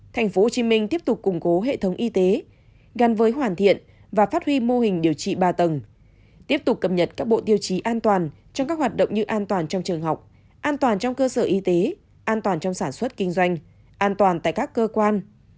thành phố hồ chí minh tiếp tục củng cố hệ thống y tế gắn với hoàn thiện và phát huy mô hình điều trị ba tầng tiếp tục cập nhật các bộ điều trí an toàn trong các hoạt động như an toàn trong trường học an toàn trong cơ sở y tế an toàn trong sản xuất kinh doanh an toàn tại các cơ quan